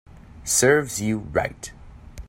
Serves you right